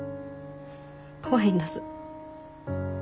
怖いんだす。